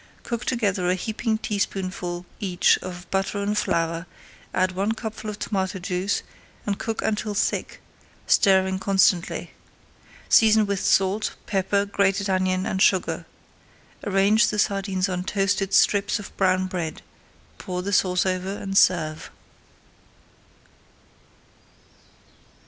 Cook together a heaping teaspoonful each of butter and flour, add one cupful of tomato juice, and cook until thick, stirring constantly. Season with salt, pepper, grated onion, and sugar. Arrange the sardines on toasted strips of brown bread, pour the sauce over, and serve.